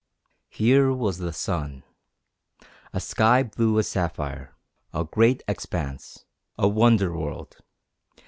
Here was the sun. A sky blue as sapphire. A great expanse. A wonder world.